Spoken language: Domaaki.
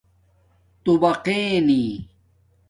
تُوباقݵنی